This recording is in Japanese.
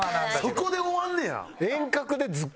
そこで終わんねや。